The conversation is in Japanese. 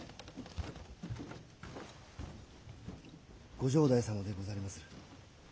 ご城代様でござりまする。